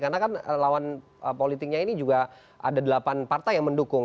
karena kan lawan politiknya ini juga ada delapan partai yang mendukung